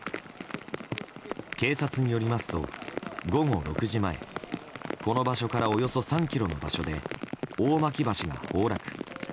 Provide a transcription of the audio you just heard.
警察によりますと、午後６時前この場所からおよそ３ｋｍの場所で大巻橋が崩落。